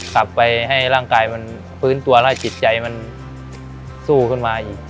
กลับไปให้ร่างกายมันฟื้นตัวแล้วจิตใจมันสู้ขึ้นมาอีก